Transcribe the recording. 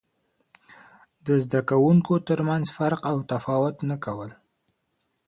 د زده کوونکو ترمنځ فرق او تفاوت نه کول.